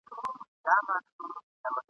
چي په خټه مو اغږلي ناپوهي او جهالت وي !.